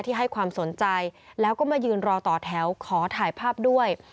ให้ความสนใจแล้วก็มายืนรอต่อแถวขอถ่ายภาพด้วย